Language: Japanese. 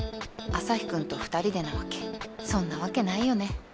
アサヒくんと２人でなわけそんなわけないよね